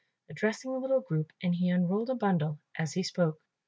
addressing the little group, and he unrolled a bundle as he spoke.